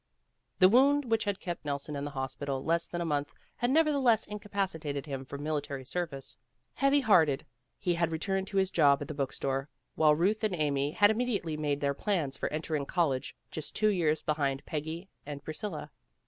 The wound which had kept Nelson in the hospital less than a month had nevertheless incapacitated him from military service. Heavy hearted, he had re turned to his job at the book store, while Euth and Amy had immediately made their plans for entering college just two years behind Peggy and Priscilla.